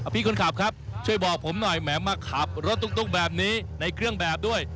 พี่คนขับครับช่วยบอกผมหน่อยแหมมาขับรถตุ๊กแบบนี้ในเครื่องแบบด้วย